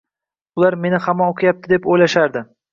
Ular meni hamon o’qiyapti, deb o’ylashardi-da.